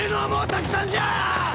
たくさんじゃ！